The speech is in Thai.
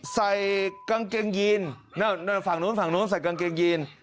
ใส่กางเกงยีนฝั่งนู้นใส่กางเกงยีน